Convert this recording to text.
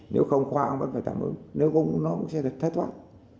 nếu không khoa cũng phải tạm ứng nếu không nó cũng sẽ thất thoát